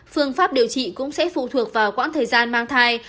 phương pháp điều trị cũng sẽ phụ thuộc vào quãng thời gian mang thai